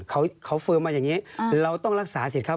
เขาเฟิร์มมาอย่างนี้เราต้องรักษาสิครับ